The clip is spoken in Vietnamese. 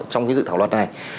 trong cái dự thảo luật này